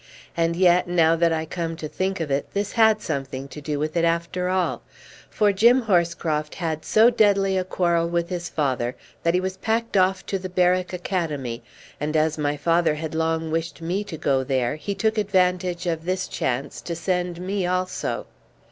And yet, now that I come to think of it, this had something to do with it after all; for Jim Horscroft had so deadly a quarrel with his father, that he was packed off to the Berwick Academy, and as my father had long wished me to go there, he took advantage of this chance to send me also.